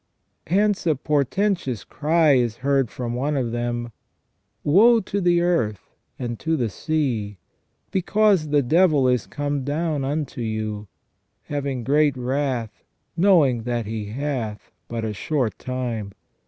Hence a portentous cry is heard from one of them :" Woe to the earth, and to the sea, because the devil is come down unto you, having great wrath, knowing that he hath but a short time.